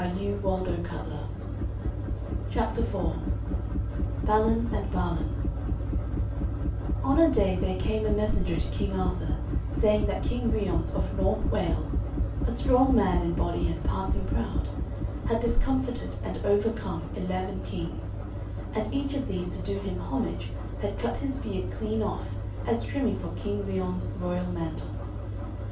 Samite: silk stuff CHAPTER IV BALIN AND BALAN On a day there came a messenger to King Arthur saying that King Ryons of North Wales, a strong man in body, and passing proud, had discomfited and overcome eleven kings, and each of these to do him homage had cut his beard clean off as trimming for King Ryons' royal mantle.